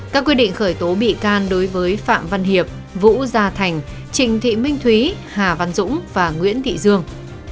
các quyết định khởi tố bị can đối với phạm văn hiệp vũ gia thành trình thị minh thúy hà văn dũng và nguyễn thị dương